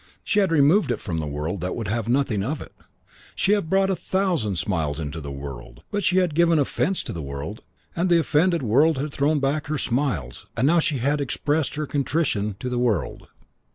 She had removed it from the world that would have nothing of it. She had brought a thousand smiles into the world, but she had given offence to the world and the offended world had thrown back her smiles and she now had expressed her contrition to the world.